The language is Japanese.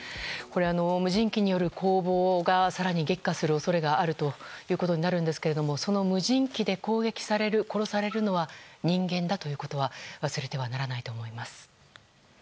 無人機による攻防が更に激化する恐れがあるということになるんですけれどもその無人機で攻撃される殺されるのは人間だということは忘れてはならないんだと思います。